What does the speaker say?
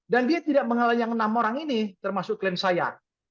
dan dia tidak mengenal yang enam orang ini termasuk klin saya